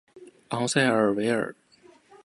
昂塞尔维尔。